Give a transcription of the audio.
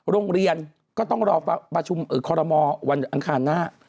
โรงเรียนก็ต้องรอประชุมคอรมอลวันอังคารหน้า